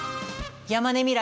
山根未来